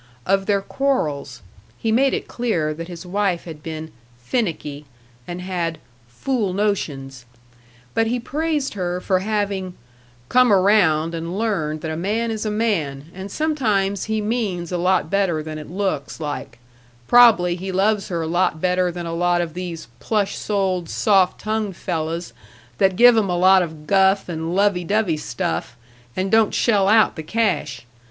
Of their quarrels he made it clear that his wife had been "finicky," and had "fool notions," but he praised her for having "come around and learned that a man is a man, and sometimes he means a lot better than it looks like; prob'ly he loves her a lot better than a lot of these plush soled, soft tongued fellows that give 'em a lot of guff and lovey dovey stuff and don't shell out the cash.